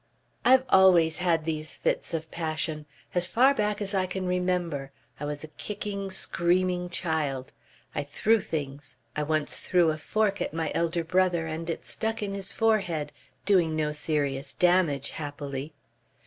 "I've always had these fits of passion. As far back as I can remember. I was a kicking, screaming child. I threw things. I once threw a fork at my elder brother and it stuck in his forehead, doing no serious damage happily.